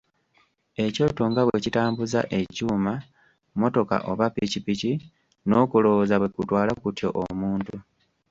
Ekyoto nga bwe kitambuza ekyuma: mmotoka oba pikipiki, n'okulowooza bwe kutwala kutyo omuntu.